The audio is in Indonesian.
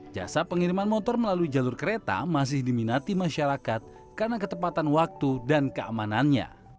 jasa pengiriman motor melalui jalur kereta masih diminati masyarakat karena ketepatan waktu dan keamanannya